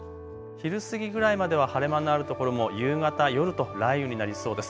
昼過ぎぐらいまでは晴れ間のなる所も夕方、夜と雷雨になりそうです。